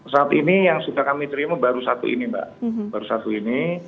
saat ini yang sudah kami terima baru satu ini mbak baru satu ini